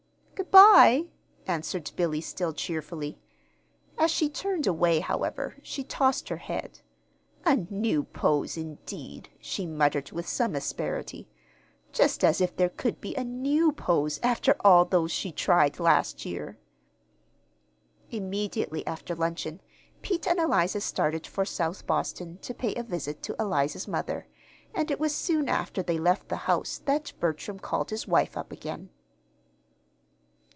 "Good by," answered Billy, still cheerfully. As she turned away, however, she tossed her head. "A new pose, indeed!" she muttered, with some asperity. "Just as if there could be a new pose after all those she tried last year!" Immediately after luncheon Pete and Eliza started for South Boston to pay a visit to Eliza's mother, and it was soon after they left the house that Bertram called his wife up again.